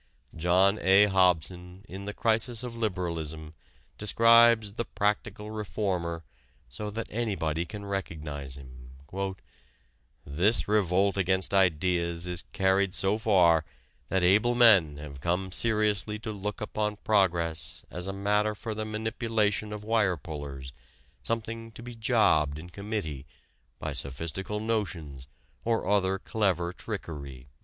John A. Hobson in "The Crisis of Liberalism" describes the "practical reformer" so that anybody can recognize him: "This revolt against ideas is carried so far that able men have come seriously to look upon progress as a matter for the manipulation of wire pullers, something to be 'jobbed' in committee by sophistical notions or other clever trickery."